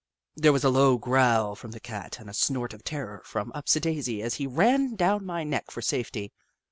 There was a low growl from the Cat and a snort of terror from Upsi daisi as he ran down my neck for safety.